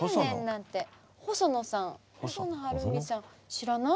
知らない？